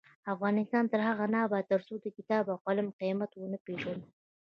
افغانستان تر هغو نه ابادیږي، ترڅو د کتاب او قلم قیمت ونه پیژنو.